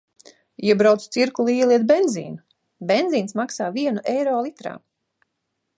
Iebraucu Cirkulī ieliet benzīnu, benzīns maksā vienu eiro litrā.